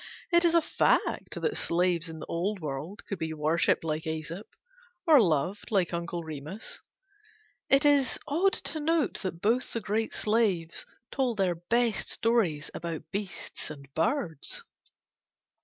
It is a fact that slaves in the old world could be worshipped like Æsop, or loved like Uncle Remus. It is odd to note that both the great slaves told their best stories about beasts and birds.